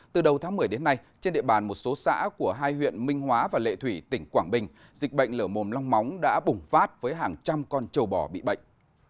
từ đầu tháng một mươi đến nay trên địa bàn một số xã của hai huyện minh hóa và lệ thủy tỉnh quảng bình dịch bệnh lở mồm long móng đã bùng phát với hàng trăm con trâu bò bị bệnh